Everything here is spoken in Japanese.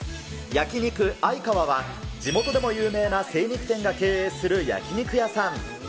焼肉あいかわは、地元でも有名な精肉店が経営する焼き肉屋さん。